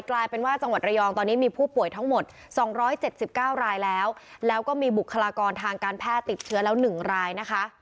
กลายเป็นว่าจังหวัดระยองตอนนี้มีผู้ป่วยทั้งหมด๒๗๙รายแล้วแล้วก็มีบุคลากรทางการแพทย์ติดเชื้อแล้ว๑รายนะคะ